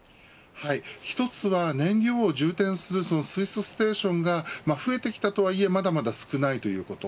１つは燃料を充填する水素ステーションが増えてきたとはいえまだまだ少ないということ。